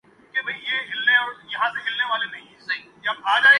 میں نے پوچھا کیوں چھٹی ہے